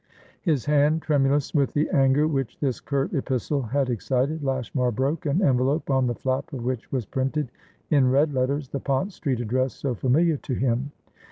His hand tremulous with the anger which this curt epistle had excited, Lashmar broke an envelope on the flap of which was printed in red letters the Pont Street address so familiar to him.